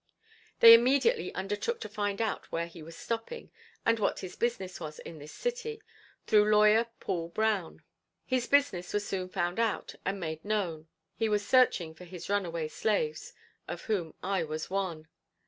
They immediately undertook to find out where he was stopping, and what his business was in this city, through lawyer Paul Brown. His business was soon found out and made known. He was searching for his runaway slaves, of whom I was one.